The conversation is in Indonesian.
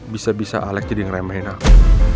bisa bisa alex jadi ngeremahin aku